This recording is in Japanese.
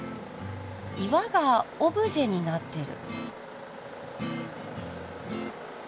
岩がオブジェになってる。